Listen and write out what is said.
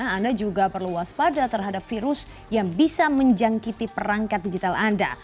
anda juga perlu waspada terhadap virus yang bisa menjangkiti perangkat digital anda